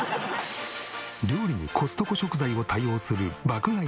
料理にコストコ食材を多用する爆買い